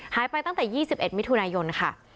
หายไปตั้งแต่๒๑มิถุนายนค่ะ